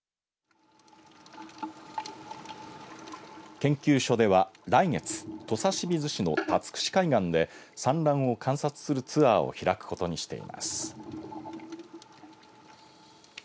研究所では、来月土佐清水市の竜串海岸で産卵を観察するツアーを開くことにしています。